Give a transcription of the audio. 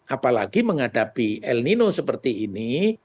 apalagi menghadapi el nino seperti ini